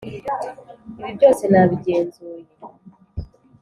ibi byose nabigenzuye.